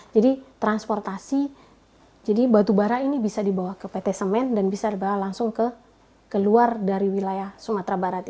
jadi transportasi jadi batu bara ini bisa dibawa ke pt semen dan bisa dibawa langsung ke luar dari wilayah sumatera barat ini